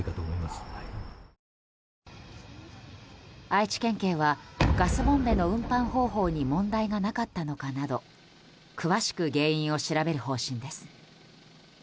愛知県警はガスボンベの運搬方法に問題がなかったのかなど詳しく原因を調べる方針です。